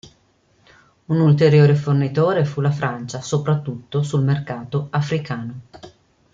Un ulteriore fornitore fu la Francia, soprattutto sul mercato africano.